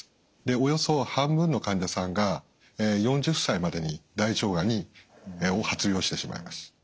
およそ半分の患者さんが４０歳までに大腸がんを発病してしまいます。